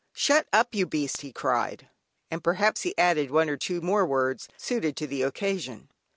"Shut up you beast," he cried, and perhaps he added one or two more words suited to the occasion.